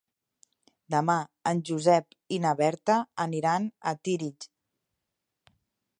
Demà en Josep i na Berta aniran a Tírig.